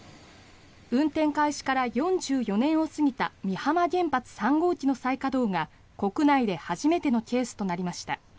運転開始から４４年を過ぎた美浜原発３号機の再稼働が国内で初めてのケースとなりました。